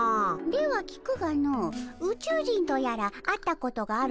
では聞くがのウチュウ人とやら会ったことがあるのかの？